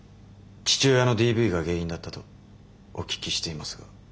父親のＤＶが原因だったとお聞きしていますが？